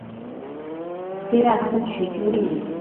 菲腊斯娶茱莉。